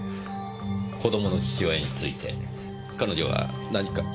子供の父親について彼女は何か？